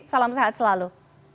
salam sehat selalu